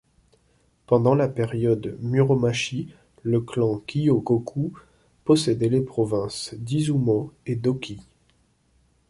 Pendant la période Muromachi, le clan Kyogoku possédait les provinces d'Izumo et d'Oki.